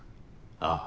ああ。